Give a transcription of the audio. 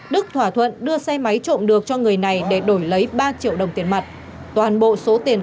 đức thỏa thuận đưa xe máy trộm được cho người này để đổi lấy ba triệu đồng tiền mặt